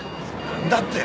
何だって！？